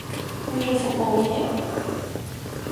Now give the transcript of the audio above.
你做服務業？